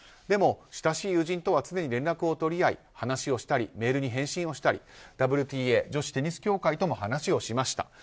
でも親しい友人とは常に連絡を取り合い、話をしたりメールに返信をしたりＷＴＡ・女子テニス協会とも話をしました。